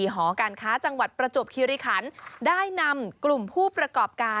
หอการค้าจังหวัดประจวบคิริขันได้นำกลุ่มผู้ประกอบการ